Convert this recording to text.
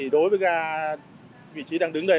đối với gà vị trí đang đứng đây